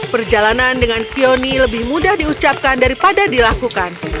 perjalanan dengan kioni lebih mudah diucapkan daripada dilakukan